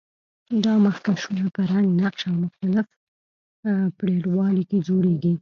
دا مخکشونه په رنګ، نقش او مختلف پرېړوالي کې جوړیږي.